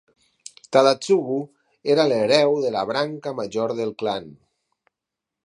Tadatsugu era l'hereu de la branca major del clan.